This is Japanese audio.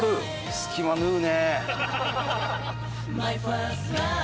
隙間縫うね。